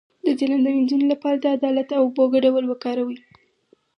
د ظلم د مینځلو لپاره د عدالت او اوبو ګډول وکاروئ